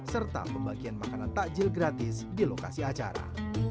serta pembagian makanan takjil gratis di lokasi acara